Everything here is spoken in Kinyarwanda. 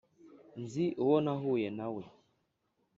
nzi uwo nahuye nawe